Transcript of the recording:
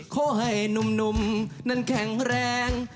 ขอให้หนุ่มนั้นแข็งแรง